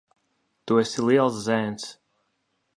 Tu esi liels zēns.